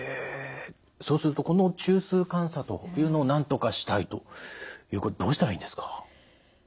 そうするとこの中枢感作というのをなんとかしたいということでどうしたらいいんですか？